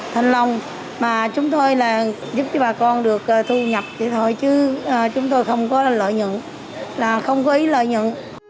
thanh long mà chúng tôi là giúp cho bà con được thu nhập thì thôi chứ chúng tôi không có lợi nhận là không có ý lợi nhận